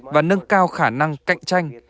và nâng cao khả năng cạnh tranh